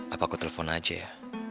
apa aku telepon aja ya